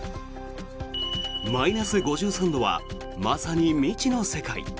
マイナス５３度はまさに未知の世界。